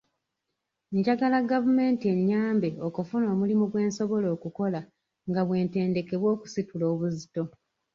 Njagala gavumenti ennyambe okufuna omulimu gwe nsobola okukola nga bwe ntendekebwa okusitula obuzito.